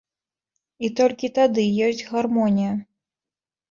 І толькі тады ёсць гармонія!